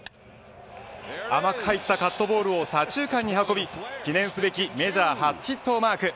甘く入ったカットボールを左中間に運び記念すべきメジャー初ヒットをマーク。